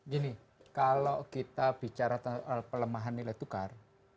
gini kalau kita bicara soal pelemahan nilai tukar